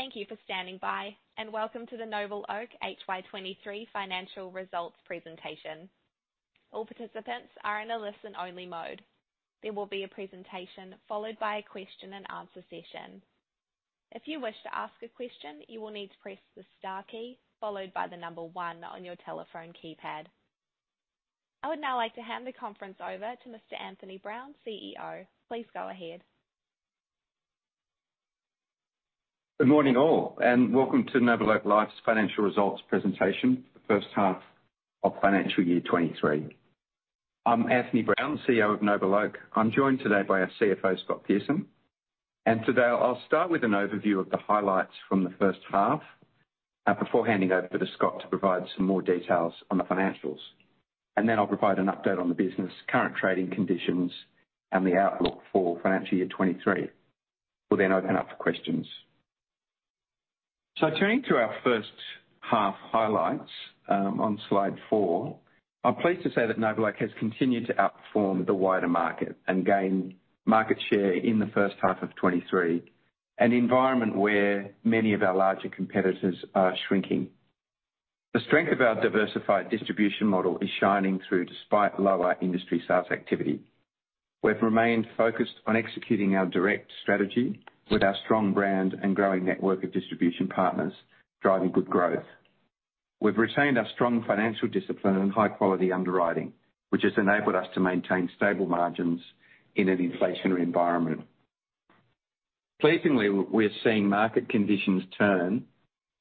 Thank you for standing by. Welcome to the NobleOak HY 2023 financial results presentation. All participants are in a listen-only mode. There will be a presentation followed by a question-and-answer session. If you wish to ask a question, you will need to press the star key followed by the number one on your telephone keypad. I would now like to hand the conference over to Mr. Anthony Brown, CEO. Please go ahead. Good morning all. Welcome to NobleOak Life's financial results presentation, the first half of financial year 2023. I'm Anthony Brown, CEO of NobleOak. I'm joined today by our CFO, Scott Pearson. Today, I'll start with an overview of the highlights from the first half before handing over to Scott to provide some more details on the financials. I'll provide an update on the business, current trading conditions, and the outlook for financial year 2023. We'll open up for questions. Turning to our first half highlights on slide four. I'm pleased to say that NobleOak has continued to outperform the wider market and gain market share in the first half of 2023, an environment where many of our larger competitors are shrinking. The strength of our diversified distribution model is shining through despite lower industry sales activity. We've remained focused on executing our direct strategy with our strong brand and growing network of distribution partners, driving good growth. We've retained our strong financial discipline and high-quality underwriting, which has enabled us to maintain stable margins in an inflationary environment. Pleasingly, we're seeing market conditions turn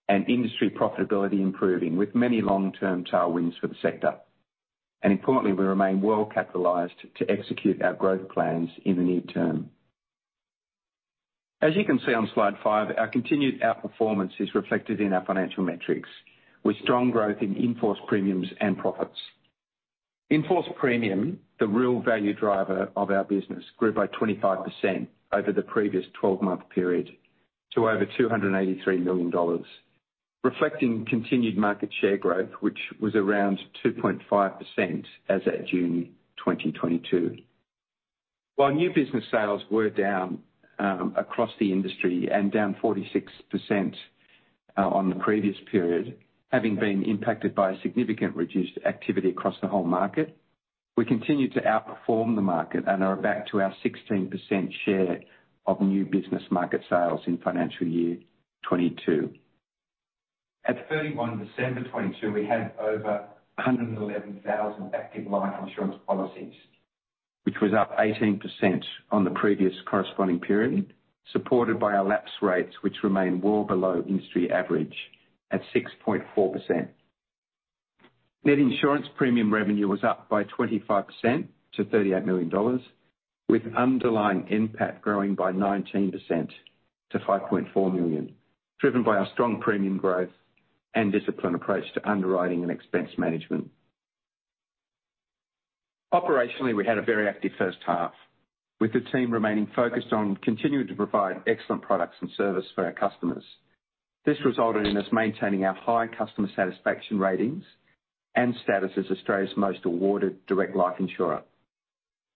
and industry profitability improving with many long-term tailwinds for the sector. Importantly, we remain well-capitalized to execute our growth plans in the near-term. As you can see on slide five, our continued outperformance is reflected in our financial metrics, with strong growth in in-force premiums and profits. In-force premium, the real value driver of our business, grew by 25% over the previous 12-month period to over $283 million, reflecting continued market share growth, which was around 2.5% as at June 2022. While new business sales were down across the industry and down 46% on the previous period, having been impacted by a significant reduced activity across the whole market, we continue to outperform the market and are back to our 16% share of new business market sales in FY 2022. At 31 December 2022, we had over 111,000 active life insurance policies, which was up 18% on the previous corresponding period, supported by our lapse rates, which remain well below industry average at 6.4%. Net insurance premium revenue was up by 25% to $38 million, with underlying NPAT growing by 19% to $5.4 million, driven by our strong premium growth and disciplined approach to underwriting and expense management. Operationally, we had a very active first half, with the team remaining focused on continuing to provide excellent products and service for our customers. This resulted in us maintaining our high customer satisfaction ratings and status as Australia's most awarded direct life insurer.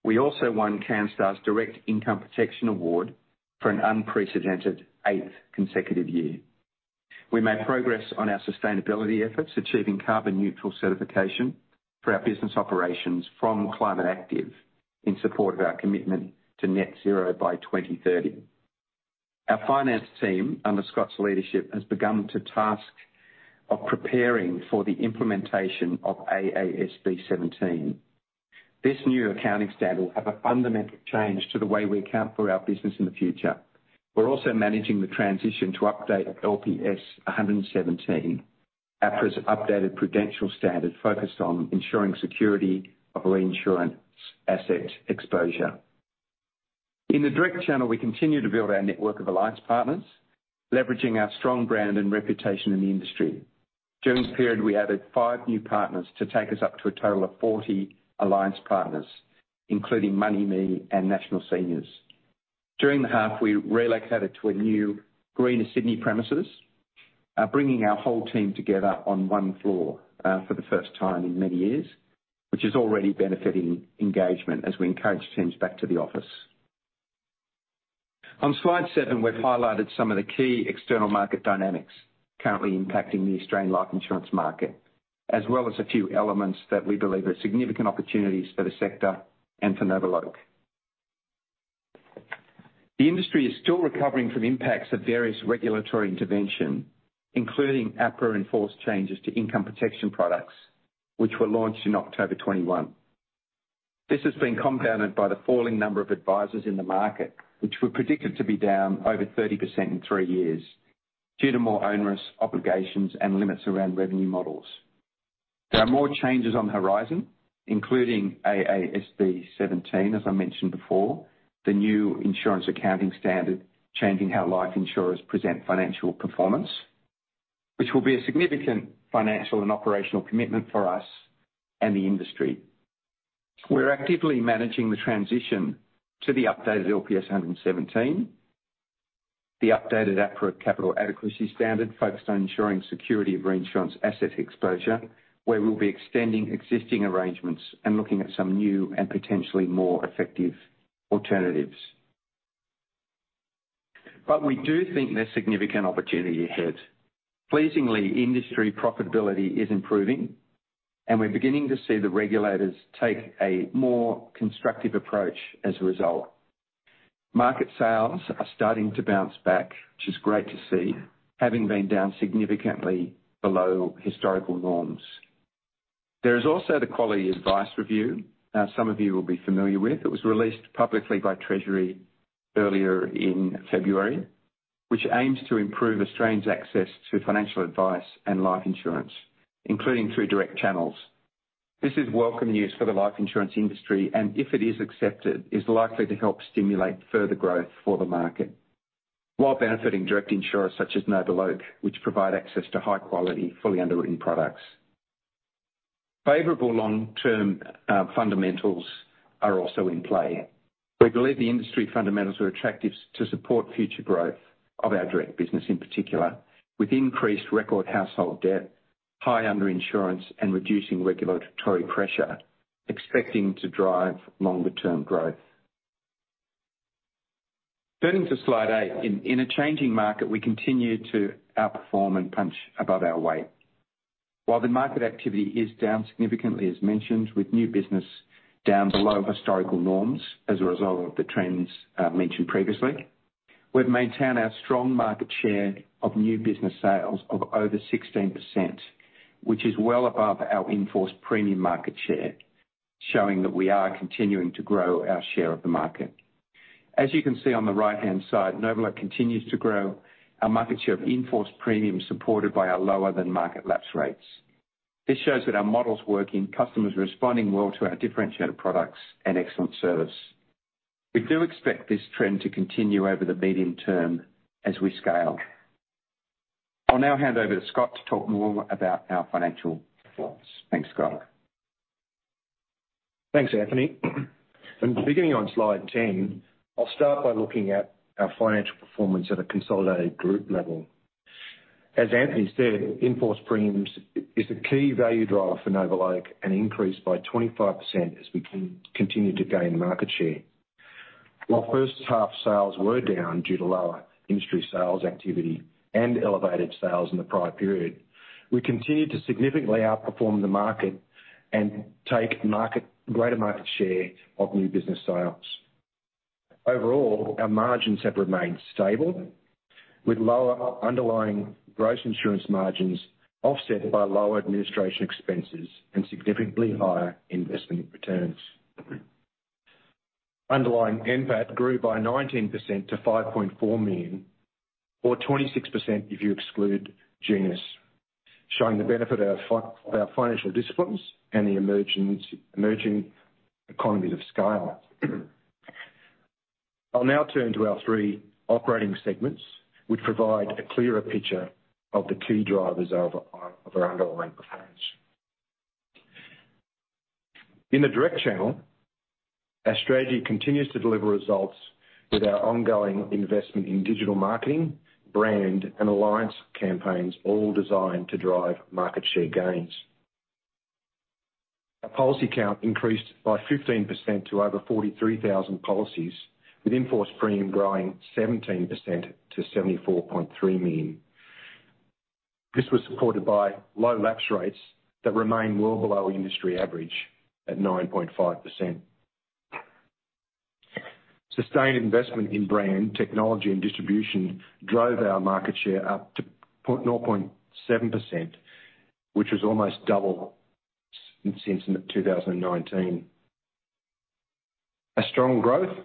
We also won Canstar's Direct Income Protection Award for an unprecedented eighth consecutive year. We made progress on our sustainability efforts, achieving carbon-neutral certification for our business operations from Climate Active in support of our commitment to net zero by 2030. Our finance team, under Scott's leadership, has begun to task of preparing for the implementation of AASB 17. This new accounting standard will have a fundamental change to the way we account for our business in the future. We're also managing the transition to update LPS 117, APRA's updated prudential standard focused on ensuring security of reinsurance asset exposure. In the direct channel, we continue to build our network of alliance partners, leveraging our strong brand and reputation in the industry. During the period, we added five new partners to take us up to a total of 40 alliance partners, including MoneyMe and National Seniors. During the half, we relocated to a new greener Sydney premises, bringing our whole team together on one floor, for the first time in many years, which is already benefiting engagement as we encourage teams back to the office. On slide seven, we've highlighted some of the key external market dynamics currently impacting the Australian life insurance market, as well as a few elements that we believe are significant opportunities for the sector and for NobleOak. The industry is still recovering from impacts of various regulatory intervention, including APRA-enforced changes to Income Protection products, which were launched in October 2021. This has been compounded by the falling number of advisors in the market, which were predicted to be down over 30% in three years due to more onerous obligations and limits around revenue models. There are more changes on the horizon, including AASB 17, as I mentioned before, the new insurance accounting standard, changing how life insurers present financial performance, which will be a significant financial and operational commitment for us and the industry. We're actively managing the transition to the updated LPS 117, the updated APRA capital adequacy standard focused on ensuring security of reinsurance asset exposure, where we'll be extending existing arrangements and looking at some new and potentially more effective alternatives. We do think there's a significant opportunity ahead. Pleasingly, industry profitability is improving, and we're beginning to see the regulators take a more constructive approach as a result. Market sales are starting to bounce back, which is great to see, having been down significantly below historical norms. There is also the Quality of Advice Review, some of you will be familiar with, that was released publicly by Treasury earlier in February, which aims to improve Australians' access to financial advice and life insurance, including through direct channels. This is welcome news for the life insurance industry, and if it is accepted, is likely to help stimulate further growth for the market while benefiting direct insurers such as NobleOak, which provide access to high-quality, fully underwritten products. Favorable long-term fundamentals are also in play. We believe the industry fundamentals are attractive to support future growth of our direct business, in particular, with increased record household debt, high underinsurance, and reducing regulatory pressure, expecting to drive longer-term growth. Turning to slide eight. In a changing market, we continue to outperform and punch above our weight. While the market activity is down significantly, as mentioned, with new business down below historical norms as a result of the trends, mentioned previously, we've maintained our strong market share of new business sales of over 16%, which is well above our in-force premium market share, showing that we are continuing to grow our share of the market. As you can see on the right-hand side, NobleOak continues to grow our market share of in-force premiums supported by our lower-than-market lapse rates. This shows that our model's working, customers are responding well to our differentiated products and excellent service. We do expect this trend to continue over the medium term as we scale. I'll now hand over to Scott to talk more about our financial performance. Thanks, Scott. Thanks, Anthony. Beginning on slide 10, I'll start by looking at our financial performance at a consolidated group level. As Anthony said, in-force premiums is a key value driver for NobleOak and increased by 25% as we continue to gain market share. While first half sales were down due to lower industry sales activity and elevated sales in the prior period, we continued to significantly outperform the market and take greater market share of new business sales. Overall, our margins have remained stable, with lower underlying gross insurance margins offset by lower administration expenses and significantly higher investment returns. Underlying NPAT grew by 19% to $5.4 million, or 26% if you exclude Genus, showing the benefit of our financial disciplines and the emerging economies of scale. I'll now turn to our three operating segments, which provide a clearer picture of the key drivers of our underlying performance. In the direct channel, our strategy continues to deliver results with our ongoing investment in digital marketing, brand, and alliance campaigns, all designed to drive market share gains. Our policy count increased by 15% to over 43,000 policies, with in-force premium growing 17% to $74.3 million. This was supported by low lapse rates that remain well below industry average at 9.5%. Sustained investment in brand, technology, and distribution drove our market share up to 0.7%, which was almost double since 2019. Our strong growth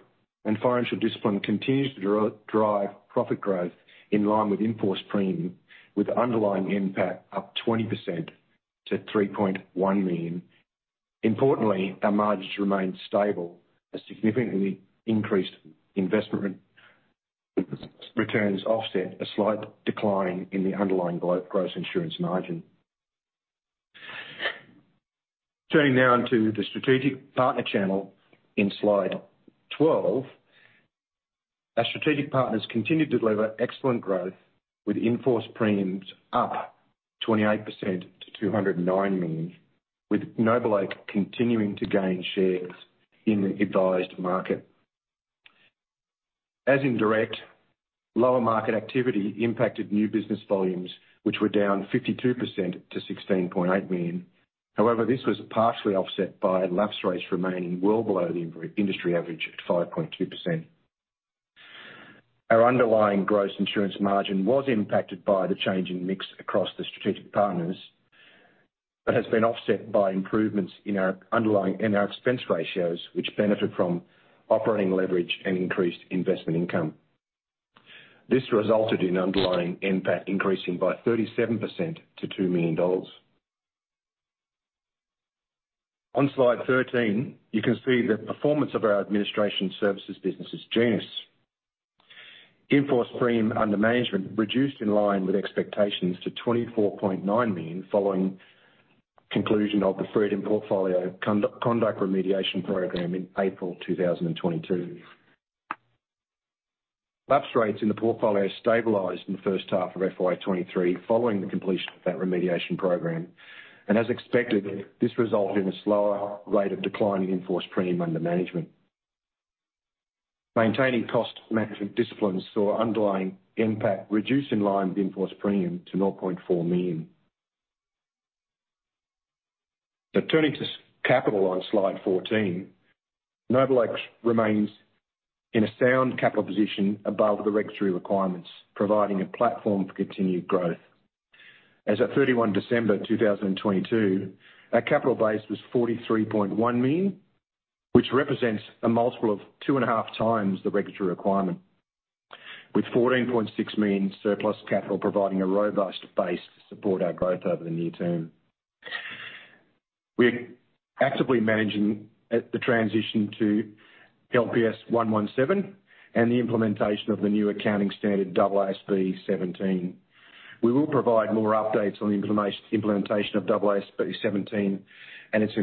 and financial discipline continues to drive profit growth in line with in-force premium, with underlying NPAT up 20% to $3.1 million. Our margins remained stable as significantly increased investment returns offset a slight decline in the underlying gross insurance margin. Turning now onto the strategic partner channel in slide 12. Our strategic partners continued to deliver excellent growth with in-force premiums up 28% to $209 million, with NobleOak continuing to gain shares in the advised market. As in Direct, lower market activity impacted new business volumes, which were down 52% to $16.8 million. This was partially offset by lapse rates remaining well below the industry average at 5.2%. Our underlying gross insurance margin was impacted by the change in mix across the strategic partners, has been offset by improvements in our expense ratios, which benefit from operating leverage and increased investment income. This resulted in underlying NPAT increasing by 37% to $2 million. On slide 13, you can see the performance of our administration services business as Genus. In-force premium under management reduced in line with expectations to $24.9 million following conclusion of the Freedom portfolio conduct remediation program in April 2022. Lapse rates in the portfolio stabilized in the first half of FY23 following the completion of that remediation program. As expected, this resulted in a slower rate of decline in in-force premium under management. Maintaining cost management disciplines saw underlying impact reduce in line with in-force premium to $0.4 million. Turning to capital on slide 14, NobleOak remains in a sound capital position above the regulatory requirements, providing a platform for continued growth. As at December 31, 2022, our capital base was $43.1 million, which represents a multiple of 2.5x the regulatory requirement, with $14.6 million surplus capital providing a robust base to support our growth over the near term. We're actively managing at the transition to LPS 117 and the implementation of the new accounting standard AASB 17. We will provide more updates on the implementation of AASB 17 and its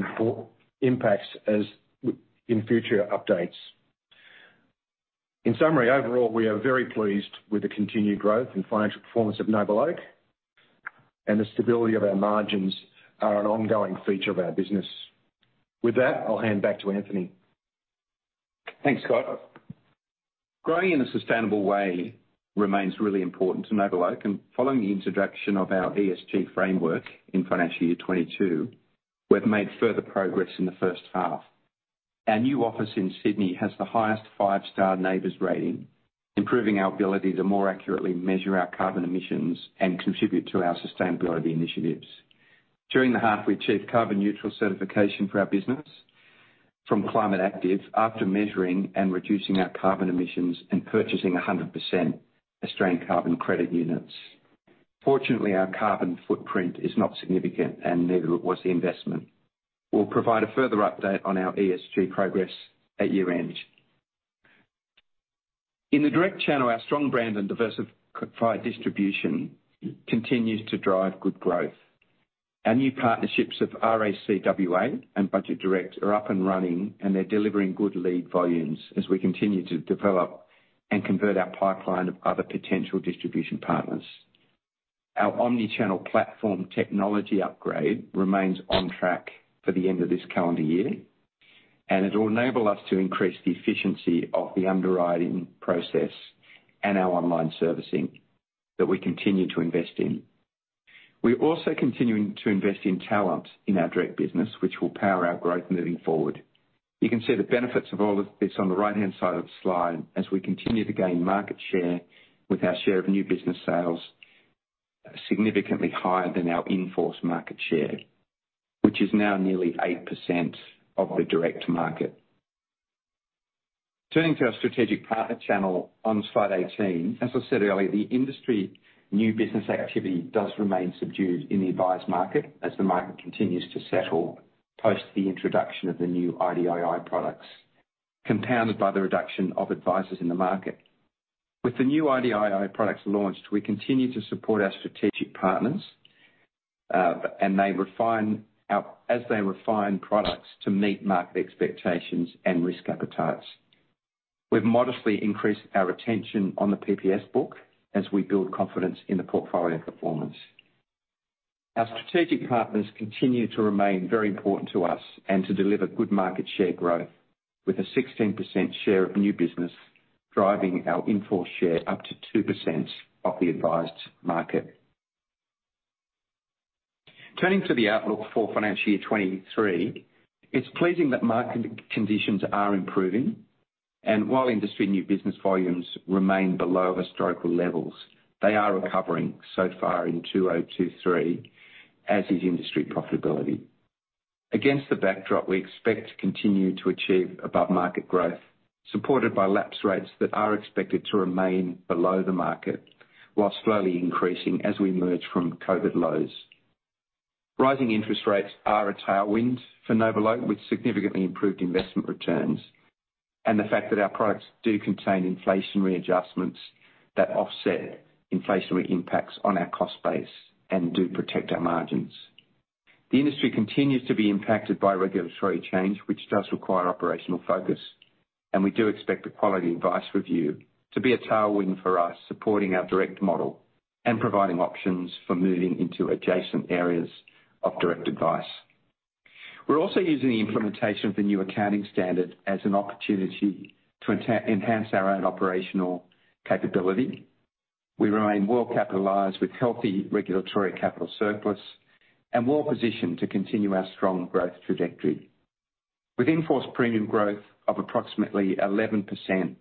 impacts as we in future updates. In summary, overall, we are very pleased with the continued growth and financial performance of NobleOak. The stability of our margins are an ongoing feature of our business. With that, I'll hand back to Anthony. Thanks, Scott. Growing in a sustainable way remains really important to NobleOak. Following the introduction of our ESG framework in financial year 2022, we've made further progress in the first half. Our new office in Sydney has the highest five-star NABERS rating, improving our ability to more accurately measure our carbon emissions and contribute to our sustainability initiatives. During the half, we achieved carbon-neutral certification for our business from Climate Active after measuring and reducing our carbon emissions and purchasing 100% Australian carbon credit units. Fortunately, our carbon footprint is not significant. Neither was the investment. We'll provide a further update on our ESG progress at year-end. In the direct channel, our strong brand and diversified distribution continues to drive good growth. Our new partnerships of RACWA and Budget Direct are up and running, and they're delivering good lead volumes as we continue to develop and convert our pipeline of other potential distribution partners. Our omnichannel platform technology upgrade remains on track for the end of this calendar year, and it will enable us to increase the efficiency of the underwriting process and our online servicing that we continue to invest in. We're also continuing to invest in talent in our direct business, which will power our growth moving forward. You can see the benefits of all of this on the right-hand side of the slide as we continue to gain market share with our share of new business sales significantly higher than our in-force market share, which is now nearly 8% of the direct market. Turning to our strategic partner channel on slide 18, as I said earlier, the industry new business activity does remain subdued in the advised market as the market continues to settle post the introduction of the new IDII products, compounded by the reduction of advisors in the market. With the new IDII products launched, we continue to support our strategic partners, as they refine products to meet market expectations and risk appetites. We've modestly increased our retention on the PPS book as we build confidence in the portfolio performance. Our strategic partners continue to remain very important to us and to deliver good market share growth with a 16% share of new business driving our in-force share up to 2% of the advised market. Turning to the outlook for financial year 2023, it's pleasing that market conditions are improving. While industry new business volumes remain below historical levels, they are recovering so far in 2023, as is industry profitability. Against the backdrop, we expect to continue to achieve above-market growth, supported by lapse rates that are expected to remain below the market whilst slowly increasing as we emerge from COVID lows. Rising interest rates are a tailwind for NobleOak, with significantly improved investment returns and the fact that our products do contain inflationary adjustments that offset inflationary impacts on our cost base and do protect our margins. The industry continues to be impacted by regulatory change, which does require operational focus, and we do expect the Quality of Advice Review to be a tailwind for us, supporting our direct model and providing options for moving into adjacent areas of direct advice. We're also using the implementation of the new accounting standard as an opportunity to enhance our own operational capability. We remain well-capitalized with healthy regulatory capital surplus and well-positioned to continue our strong growth trajectory. With in-force premium growth of approximately 11%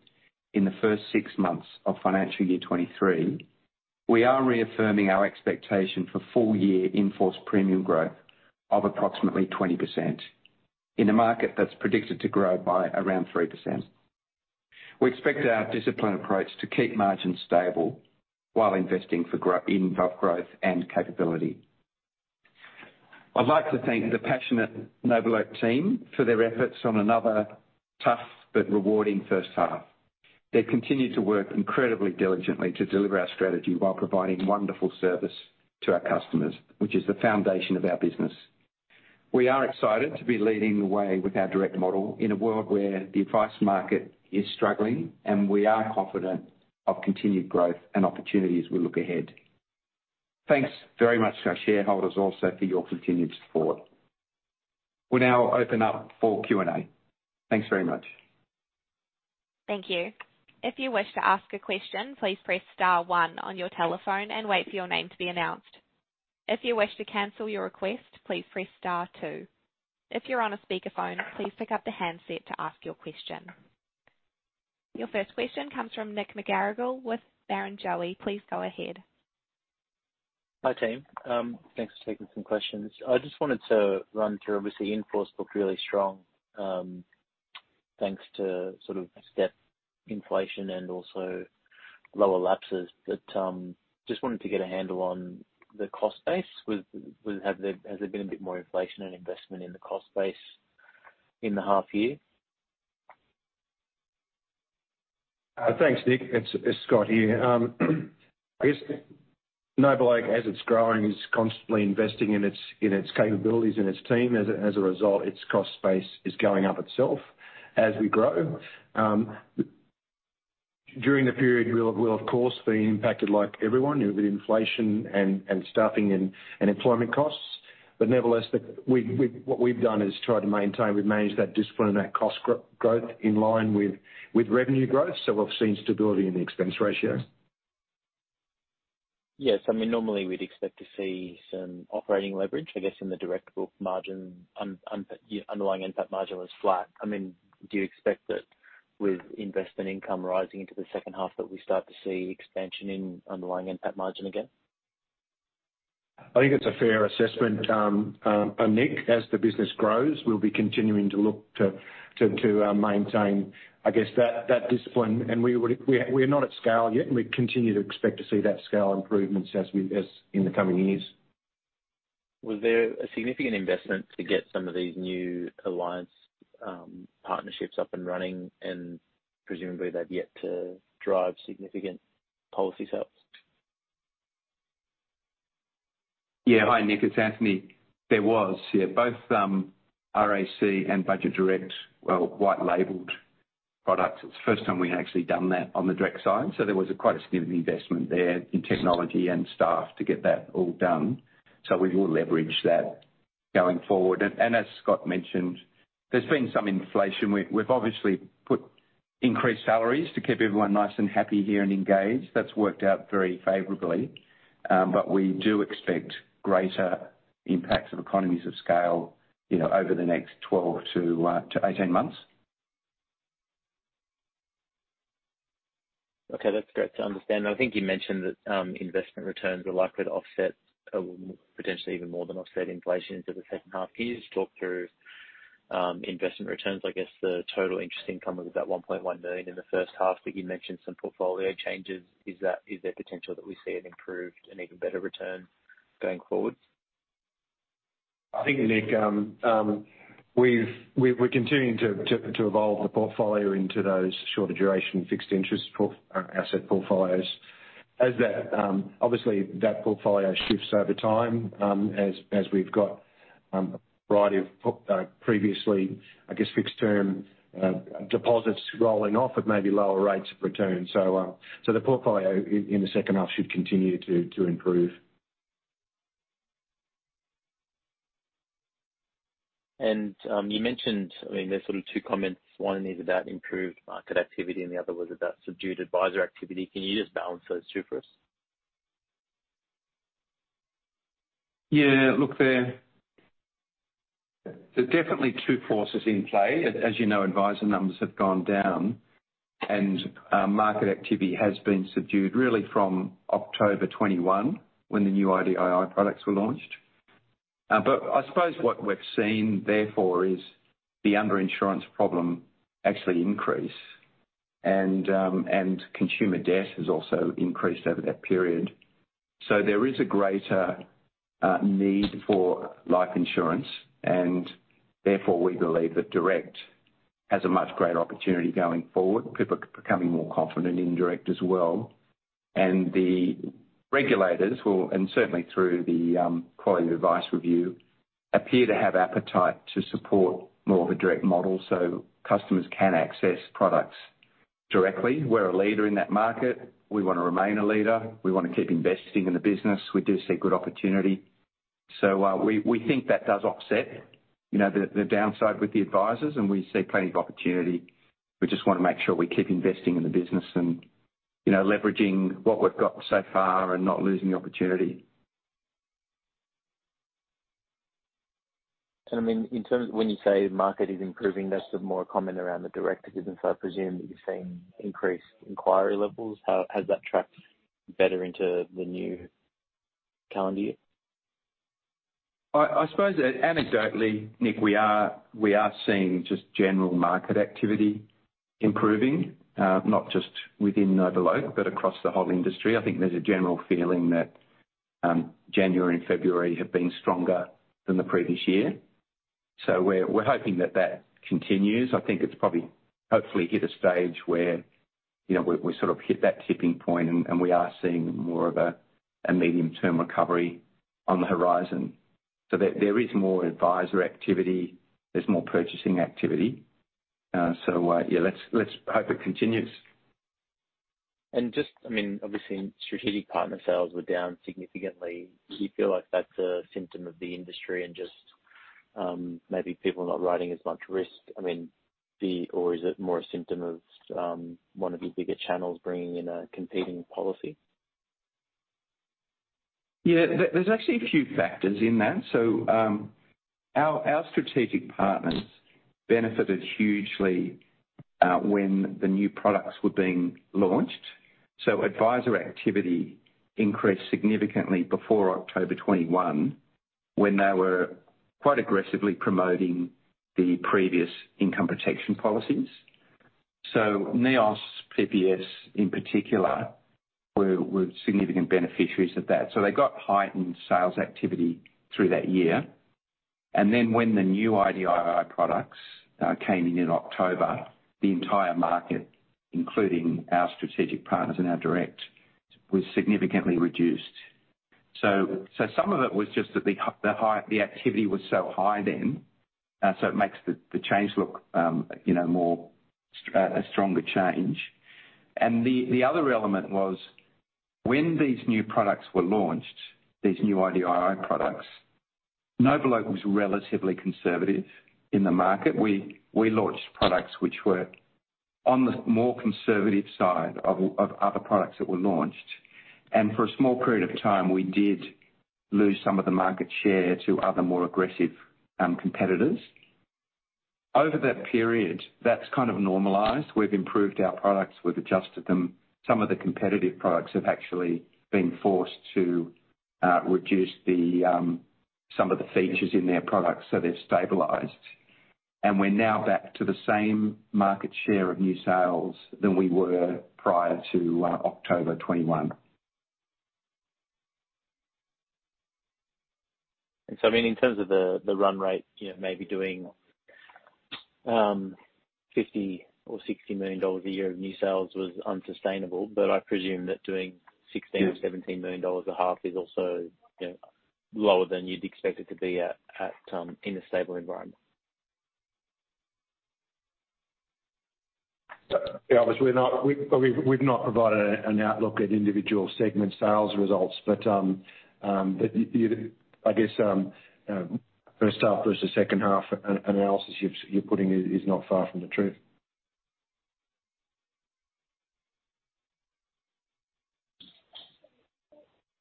in the first six months of FY 2023, we are reaffirming our expectation for full-year in-force premium growth of approximately 20% in a market that's predicted to grow by around 3%. We expect our disciplined approach to keep margins stable while investing in both growth and capability. I'd like to thank the passionate NobleOak team for their efforts on another tough but rewarding first half. They've continued to work incredibly diligently to deliver our strategy while providing wonderful service to our customers, which is the foundation of our business. We are excited to be leading the way with our direct model in a world where the advice market is struggling, and we are confident of continued growth and opportunities we look ahead. Thanks very much to our shareholders also for your continued support. We'll now open up for Q&A. Thanks very much. Thank you. If you wish to ask a question, please press star one on your telephone and wait for your name to be announced. If you wish to cancel your request, please press star two. If you're on a speakerphone, please pick up the handset to ask your question. Your first question comes from Nick McGarrigle with Barrenjoey. Please go ahead. Hi, team. Thanks for taking some questions. I just wanted to run through, obviously, in-force looked really strong, thanks to sort of step inflation and also lower lapses. Just wanted to get a handle on the cost base. Has there been a bit more inflation and investment in the cost base in the half year? Thanks, Nick. It's Scott here. I guess NobleOak, as it's growing, is constantly investing in its capabilities and its team. As a result, its cost base is going up itself as we grow. During the period, we'll of course be impacted like everyone with inflation and staffing and employment costs. Nevertheless, what we've done is try to maintain. We've managed that discipline and that cost growth in line with revenue growth. We've seen stability in the expense ratio. Yes. I mean, normally we'd expect to see some operating leverage, I guess, in the direct book margin. Underlying NPAT margin was flat. I mean, do you expect that with investment income rising into the second half, that we start to see expansion in underlying NPAT margin again? I think it's a fair assessment, Nick. As the business grows, we'll be continuing to look to maintain, I guess, that discipline. We are not at scale yet, and we continue to expect to see that scale improvements as in the coming years. Was there a significant investment to get some of these new alliance partnerships up and running? Presumably they've yet to drive significant policy sales. Yeah. Hi, Nick. It's Anthony. There was, yeah. Both, RAC and Budget Direct were white-labeled products. It's the first time we'd actually done that on the direct side, so there was, quite a significant investment there in technology and staff to get that all done. We will leverage that going forward. As Scott mentioned, there's been some inflation. We've obviously put increased salaries to keep everyone nice and happy here and engaged. That's worked out very favorably. But we do expect greater impacts of economies of scale, you know, over the next 12-18 months. Okay, that's great to understand. I think you mentioned that, investment returns are likely to offset or potentially even more than offset inflation into the second half year. Can you just talk through investment returns? I guess the total interest income was about $1.1 million in the first half, but you mentioned some portfolio changes. Is there potential that we see an improved and even better return going forward? I think, Nick, we're continuing to evolve the portfolio into those shorter-duration fixed interest asset portfolios. As that, obviously, that portfolio shifts over time, as we've got a variety of previously, I guess, fixed-term deposits rolling off at maybe lower rates of return. The portfolio in the second half should continue to improve. You mentioned, I mean, there's sort of two comments. One is about improved market activity and the other was about subdued advisor activity. Can you just balance those two for us? Look, there's definitely two forces in play. As you know, advisor numbers have gone down and market activity has been subdued really from October 2021, when the new IDII products were launched. I suppose what we've seen, therefore is the underinsurance problem actually increase and consumer debt has also increased over that period. There is a greater need for life insurance, and therefore we believe that direct has a much greater opportunity going forward. People are becoming more confident in direct as well. The regulators will, and certainly through the Quality of Advice Review, appear to have appetite to support more of a direct model so customers can access products directly. We're a leader in that market. We wanna remain a leader. We wanna keep investing in the business. We do see good opportunity. We think that does offset, you know, the downside with the advisors and we see plenty of opportunity. We just wanna make sure we keep investing in the business and, you know, leveraging what we've got so far and not losing the opportunity. I mean, when you say market is improving, that's the more comment around the direct business, so I presume that you're seeing increased inquiry levels. How has that tracked better into the new calendar year? I suppose, anecdotally, Nick, we are seeing just general market activity improving, not just within NobleOak, but across the whole industry. I think there's a general feeling that January and February have been stronger than the previous year. We're hoping that that continues. I think it's probably hopefully hit a stage where you know, we sort of hit that tipping point, and we are seeing more of a medium-term recovery on the horizon. There is more advisor activity, there's more purchasing activity. Yeah, let's hope it continues. Just, I mean, obviously strategic partner sales were down significantly. Do you feel like that's a symptom of the industry and just, maybe people not riding as much risk? I mean, or is it more a symptom of one of your bigger channels bringing in a competing policy? Yeah. There's actually a few factors in that. Our strategic partners benefited hugely when the new products were being launched. Advisor activity increased significantly before October 2021, when they were quite aggressively promoting the previous Income Protection policies. NEOS PPS in particular were significant beneficiaries of that. They got heightened sales activity through that year. When the new IDII products came in in October, the entire market, including our strategic partners and our direct, was significantly reduced. Some of it was just that the activity was so high then, so it makes the change look, you know, a stronger change. The other element was when these new products were launched, these new IDII products, NobleOak was relatively conservative in the market. We launched products which were on the more conservative side of other products that were launched. For a small period of time, we did lose some of the market share to other more aggressive competitors. Over that period, that's kind of normalized. We've improved our products, we've adjusted them. Some of the competitive products have actually been forced to reduce the some of the features in their products, so they've stabilized. We're now back to the same market share of new sales than we were prior to October 2021. I mean, in terms of the run rate, you know, maybe doing $50 million or $60 million a year of new sales was unsustainable, but I presume that doing $16 million or $17 million a half is also, you know, lower than you'd expect it to be at, in a stable environment. Yeah, obviously we've not provided an outlook at individual segment sales results. I guess, first half versus second half analysis you're putting is not far from the truth.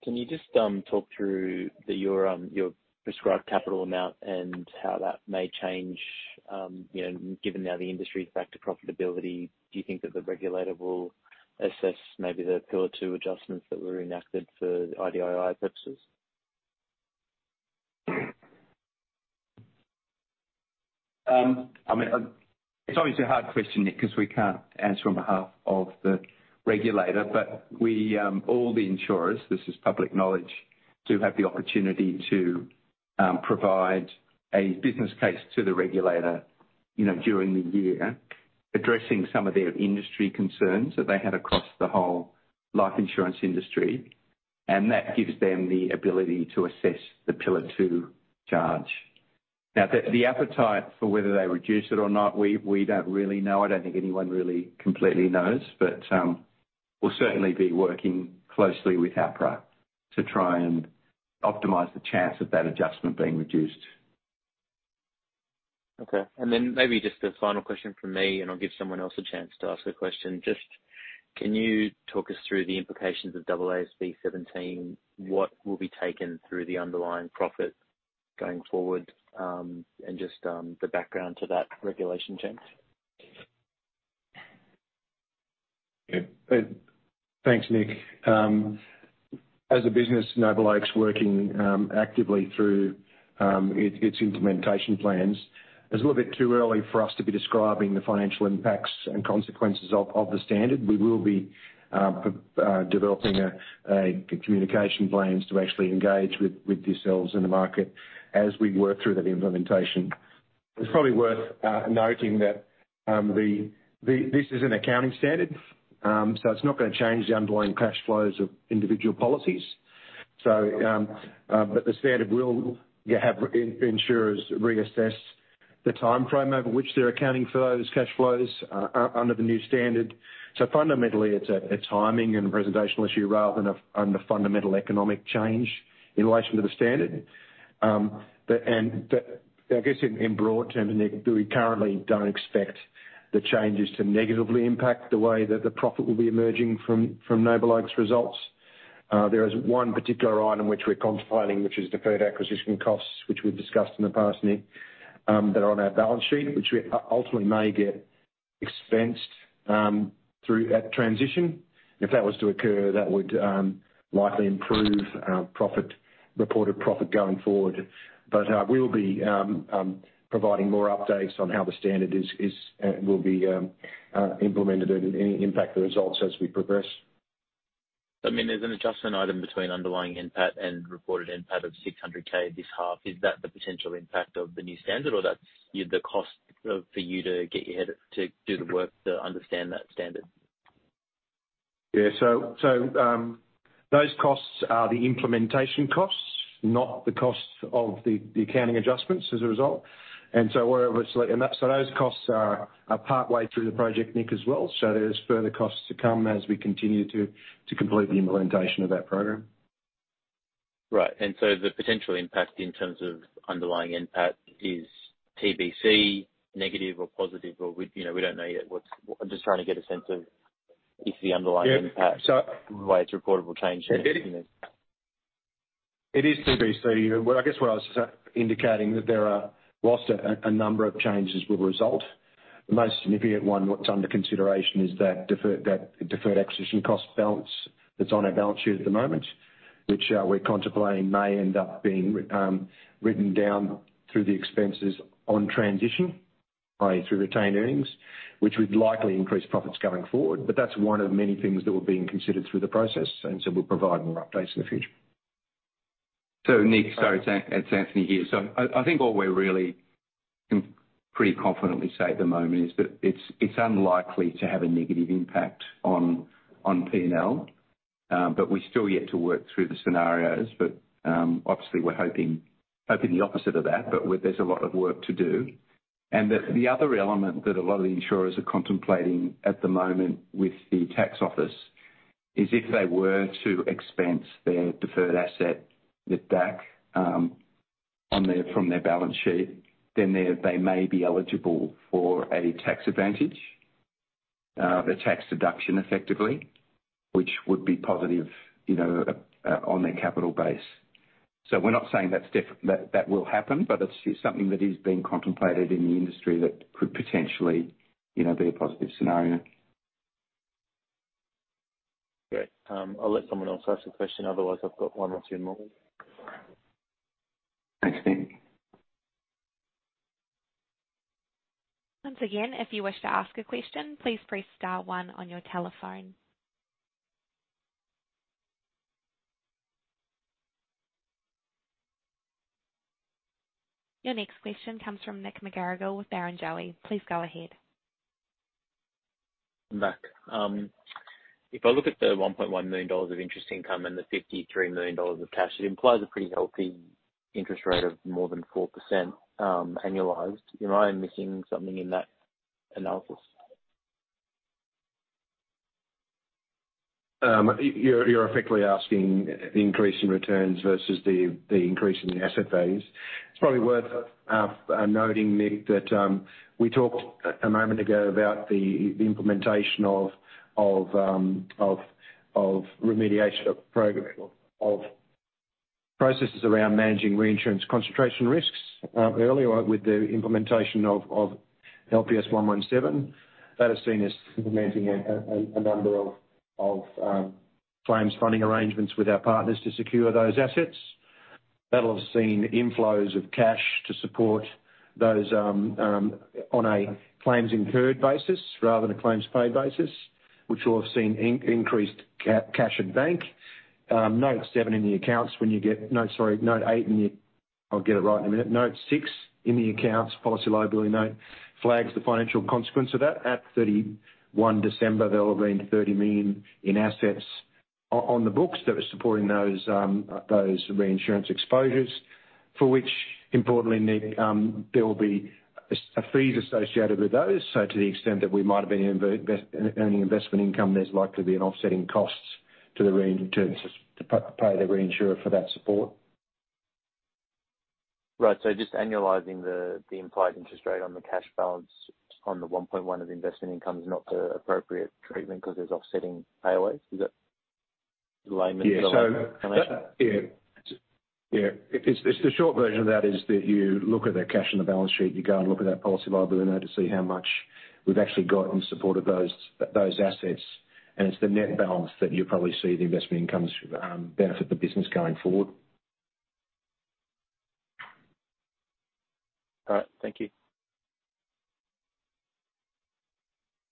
Can you just talk through your prescribed capital amount and how that may change, you know, given now the industry is back to profitability, do you think that the regulator will assess maybe the Pillar two adjustments that were enacted for IDII purposes? I mean, it's always a hard question, Nick, 'cause we can't answer on behalf of the regulator, but we, all the insurers, this is public knowledge, do have the opportunity to provide a business case to the regulator, you know, during the year, addressing some of their industry concerns that they had across the whole life insurance industry. That gives them the ability to assess the Pillar Two charge. The appetite for whether they reduce it or not, we don't really know. I don't think anyone really completely knows, but we'll certainly be working closely with APRA to try and optimize the chance of that adjustment being reduced. Okay. Maybe just a final question from me, and I'll give someone else a chance to ask a question. Just can you talk us through the implications of AASB 17? What will be taken through the underlying profit going forward, and just the background to that regulation change? Thanks, Nick. As a business, NobleOak's working actively through its implementation plans. It's a little bit too early for us to be describing the financial impacts and consequences of the standard. We will be developing a communication plans to actually engage with yourselves in the market as we work through that implementation. It's probably worth noting that this is an accounting standard, so it's not gonna change the underlying cash flows of individual policies. The standard will, you have insurers reassess the timeframe over which they're accounting for those cash flows under the new standard. Fundamentally, it's a timing and presentational issue rather than on the fundamental economic change in relation to the standard. I guess in broad terms, Nick, we currently don't expect the changes to negatively impact the way that the profit will be emerging from NobleOak's results. There is one particular item which we're compiling, which is deferred acquisition costs, which we've discussed in the past, Nick, that are on our balance sheet, which we ultimately may get expensed through that transition. If that was to occur, that would likely improve profit, reported profit going forward. We'll be providing more updates on how the standard is, will be implemented, and any impact the results as we progress. I mean, there's an adjustment item between underlying NPAT and reported NPAT of $600K this half. Is that the potential impact of the new standard or that's the cost of, for you to get your head to do the work to understand that standard? Yeah. So, those costs are the implementation costs, not the costs of the accounting adjustments as a result. We're obviously... Those costs are partway through the project, Nick, as well. There's further costs to come as we continue to complete the implementation of that program. Right. The potential impact in terms of underlying NPAT is TBC, negative or positive or we, you know, we don't know yet. I'm just trying to get a sense of if the underlying... Yeah. NPAT, the way it's reportable change. It is TBC. I guess what I was indicating that there are whilst a number of changes will result, the most significant one what's under consideration is that deferred acquisition cost balance that's on our balance sheet at the moment, which we're contemplating may end up being written down through the expenses on transition, i.e., through retained earnings, which would likely increase profits going forward. That's one of many things that were being considered through the process. We'll provide more updates in the future. Nick, sorry, it's Anthony here. I think what we're really can pretty confidently say at the moment is that it's unlikely to have a negative impact on P&L, but we're still yet to work through the scenarios. Obviously, we're hoping the opposite of that. There's a lot of work to do. The other element that a lot of the insurers are contemplating at the moment with the tax office is if they were to expense their deferred asset, the DAC from their balance sheet, then they may be eligible for a tax advantage, a tax deduction effectively, which would be positive, you know, on their capital base. We're not saying that will happen, but it's something that is being contemplated in the industry that could potentially, you know, be a positive scenario. Great. I'll let someone else ask the question. Otherwise I've got one or two more. Thanks, Nick. Once again, if you wish to ask a question, please press star one on your telephone. Your next question comes from Nick McGarrigle with Barrenjoey. Please go ahead. Nick, if I look at the $1.1 million of interest income and the $53 million of cash, it implies a pretty healthy interest rate of more than 4%, annualized. Am I missing something in that analysis? You're effectively asking the increase in returns versus the increase in the asset values. It's probably worth noting, Nick McGarrigle, that we talked a moment ago about the implementation of remediation of program, of processes around managing reinsurance concentration risk earlier with the implementation of LPS 117. That has seen us implementing a number of claims funding arrangements with our partners to secure those assets. That'll have seen inflows of cash to support those on a claims incurred basis rather than a claims paid basis, which will have seen increased cash in bank. Note seven in the accounts when you get. Note, sorry, Note eight in the. I'll get it right in a minute. Note six in the accounts, policy liability note, flags the financial consequence of that. At 31 December, there will have been $30 million in assets on the books that are supporting those reinsurance exposures, for which importantly, Nick, there will be fees associated with those. To the extent that we might have been earning investment income, there's likely to be an offsetting costs to pay the reinsurer for that support. Right. Just annualizing the implied interest rate on the cash balance on the 1.1 of the investment income is not the appropriate treatment because there's offsetting payaways. Is that layman's? Yeah. That... Yeah. It's the short version of that is that you look at the cash on the balance sheet, you go and look at that policy liability note to see how much we've actually got in support of those assets. It's the net balance that you probably see the investment incomes benefit the business going forward. All right. Thank you.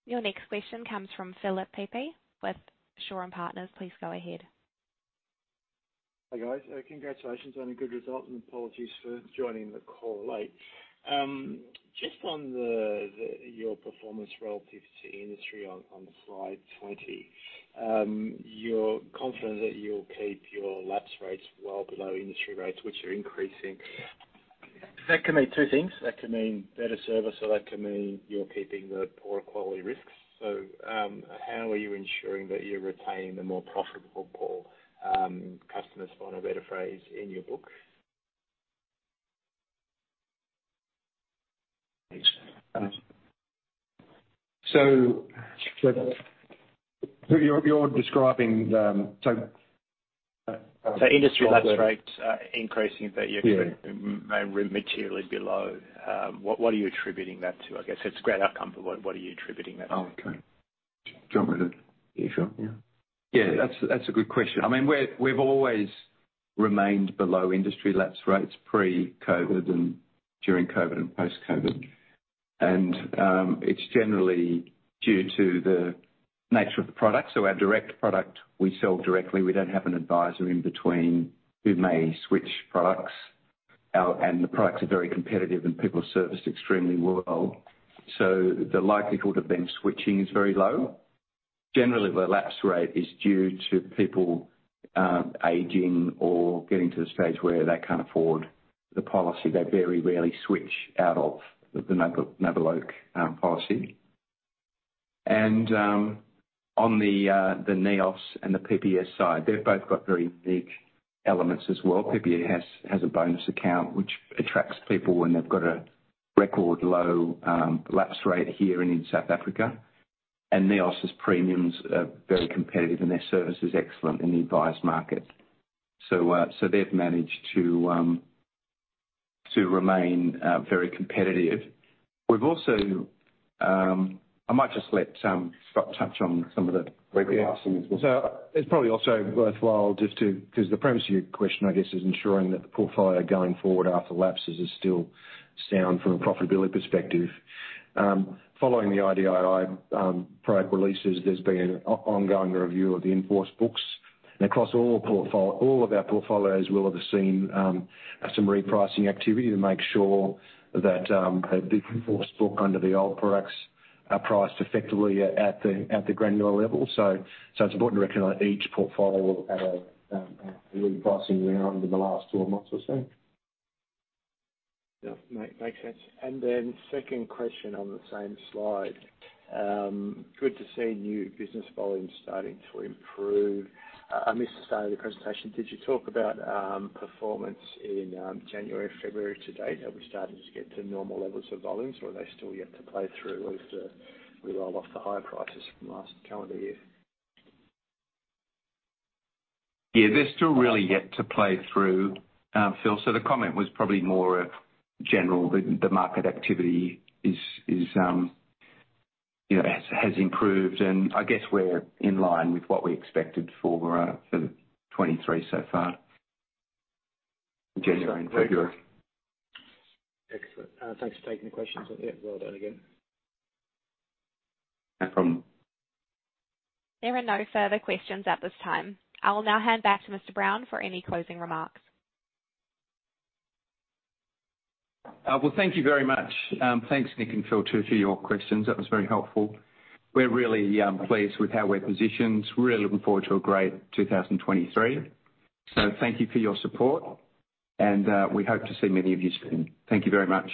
Your next question comes from Philip Pepe with Shaw and Partners. Please go ahead. Hi, guys. Congratulations on a good result. Apologies for joining the call late. Just on the, your performance relative to industry on slide 20. You're confident that you'll keep your lapse rates well below industry rates, which are increasing. That can mean two things. That can mean better service, or that can mean you're keeping the poor quality risks. How are you ensuring that you're retaining the more profitable pool, customers, for want of a better phrase, in your book? Thanks. you're describing the. The industry lapse rates are increasing, but. Yeah. materially below. What are you attributing that to? I guess it's a great outcome, but what are you attributing that to? Oh, okay. Do you want me to? Are you sure? Yeah. That's a good question. I mean, we've always remained below industry lapse rates pre-COVID and during COVID, and post-COVID. It's generally due to the nature of the product. Our direct product we sell directly, we don't have an advisor in between who may switch products. And the products are very competitive and people are serviced extremely well. The likelihood of them switching is very low. Generally, the lapse rate is due to people aging or getting to the stage where they can't afford the policy. They very rarely switch out of the NobleOak policy. On the NEOS and the PPS side, they've both got very unique elements as well. PPS has a bonus account which attracts people when they've got a record low lapse rate here and in South Africa. NEOS' premiums are very competitive and their service is excellent in the advised market. They've managed to remain very competitive. We've also. I might just let Scott touch on some of the repricing as well. It's probably also worthwhile 'cause the premise of your question, I guess, is ensuring that the portfolio going forward after lapses is still sound from a profitability perspective. Following the IDII product releases, there's been an ongoing review of the in-force books. Across all of our portfolios will have seen some repricing activity to make sure that the in-force book under the old products are priced effectively at the granular level. It's important to recognize each portfolio will have a repricing round in the last two months or so. Yeah, makes sense. Second question on the same slide. Good to see new business volumes starting to improve. I missed the start of the presentation. Did you talk about performance in January, February to date? Are we starting to get to normal levels of volumes, or are they still yet to play through as we roll off the higher prices from last calendar year? Yeah, they're still really yet to play through, Phil. The comment was probably more general. The market activity is, you know, has improved, and I guess we're in line with what we expected for 2023 so far. January and February. Excellent. Thanks for taking the questions. Well done again. No problem. There are no further questions at this time. I will now hand back to Mr. Brown for any closing remarks. Well, thank you very much. Thanks, Nick and Phil, too, for your questions. That was very helpful. We're really pleased with how we're positioned. We're really looking forward to a great 2023. Thank you for your support and we hope to see many of you soon. Thank you very much.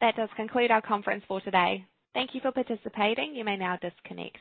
That does conclude our conference for today. Thank you for participating. You may now disconnect.